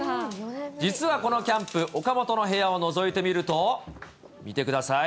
実はこのキャンプ、岡本の部屋をのぞいてみると、見てください。